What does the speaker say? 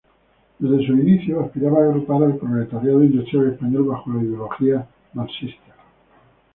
Desde sus inicios, aspiraba a agrupar al proletariado industrial español bajo la ideología marxista.